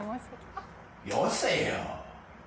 ・よせよ。